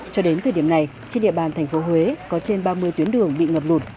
cho đến thời điểm này trên địa bàn thành phố huế có trên ba mươi tuyến đường bị ngập lụt